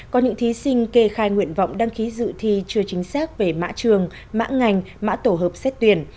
có những thí sinh kê khai nguyện vọng đăng ký dự thi chưa chính xác về mã trường mã ngành mã tổ hợp xét tuyển